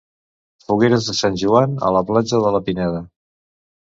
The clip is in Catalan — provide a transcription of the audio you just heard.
Fogueres de Sant Joan a la platja de La Pineda.